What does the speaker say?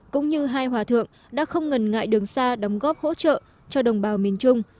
cũng như hai hòa thượng đã không ngần ngại đường xa đóng góp hỗ trợ cho đồng bào miền trung